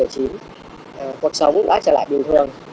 cuộc sống đã trở lại bình thường